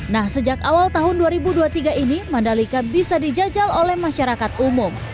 nah sejak awal tahun dua ribu dua puluh tiga ini mandalika bisa dijajal oleh masyarakat umum